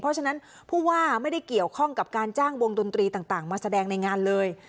เพราะฉะนั้นผู้ว่าไม่ได้เกี่ยวข้องกับการจ้างวงดนตรีต่างมาแสดงในงานเลย